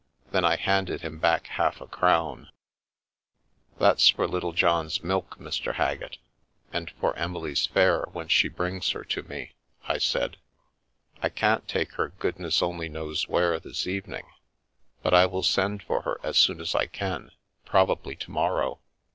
Then I handed him back half a crown. " That's for Littlejohn's milk, Mr. Haggett, and for Emily's fare when she brings her to me," I said. " I can't take her goodness only knows where this evening, but I will send for her as soon as I can, probably to morrow.